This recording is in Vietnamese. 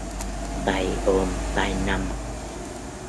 Tay ôm tay năm